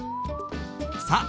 さあ